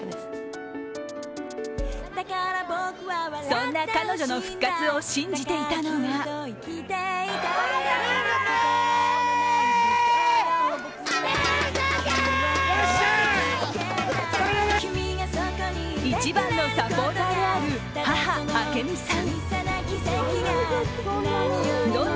そんな彼女の復活を信じていたのが一番のサポーターである母、明美さん。